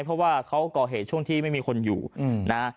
เพราะว่าเขาก่อเหตุช่วงที่ไม่มีคนอยู่นะ